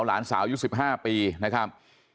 หลานสาวยุค๑๕ปีนะครับ